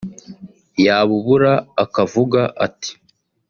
yabubura akavuga ati